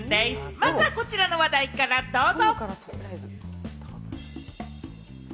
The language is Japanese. まずはこちらの話題からどうぞ！